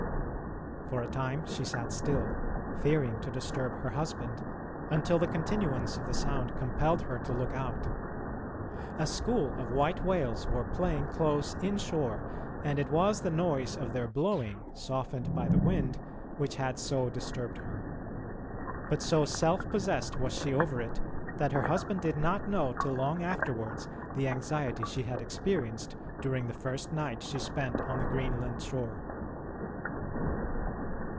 For a time she sat still, fearing to disturb her husband, until the continuance of the sound compelled her to look out. A school of white whales were playing close inshore, and it was the noise of their blowing, softened by the wind, which had so disturbed her. But so self possessed was she over it that her husband did not know till long afterwards the anxiety she had experienced during the first night she spent on the Greenland shore.